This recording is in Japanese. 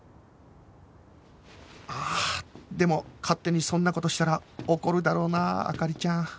ああでも勝手にそんな事したら怒るだろうな灯ちゃん